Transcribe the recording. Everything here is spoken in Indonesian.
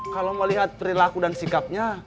kalau melihat perilaku dan sikapnya